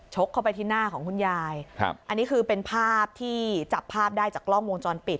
เข้าไปที่หน้าของคุณยายครับอันนี้คือเป็นภาพที่จับภาพได้จากกล้องวงจรปิด